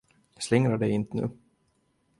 Slingra dig inte nu.